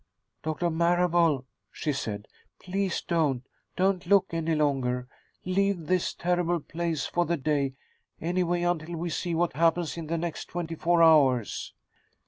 "Doctor Marable," she said, "please don't don't look any longer. Leave this terrible place for the day, anyway, until we see what happens in the next twenty four hours."